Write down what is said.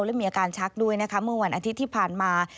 และมีอาการชักด้วยนะคะเมื่อวันอาทิตย์ที่ผ่านมา